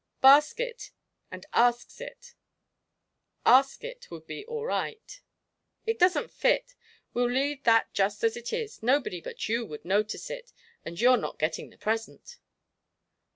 "'Basket' and asks it' 'ask it' would be all right." "It doesn't fit. We'll leave that just as it is nobody but you would notice it, and you're not getting the present."